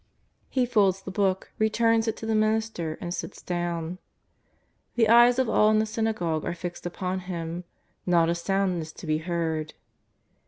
He folds the book, returns it to the minister and sits down. The eyes of all in the synagogue are fixed upon Him, not a sound is to be heard.